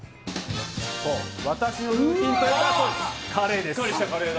私のルーティンといえば朝カレーです。